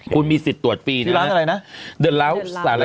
คุณมีสิทธิ์ตรวจฟรีที่ร้านอะไรนะ